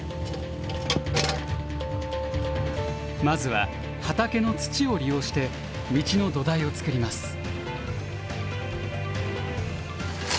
まずは畑の土を利用して道の土台を造ります。